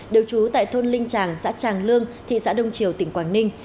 đều trú tại thôn linh tràng xã tràng lương thị xã đông triều tỉnh quảng ninh